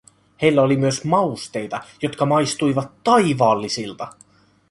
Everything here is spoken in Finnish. Heillä oli myös mausteita, jotka maistuivat taivaallisilta.